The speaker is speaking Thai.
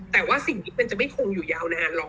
แต่ว่าสิ่งที่มันจะไม่คงอยู่ยาวนานหรอก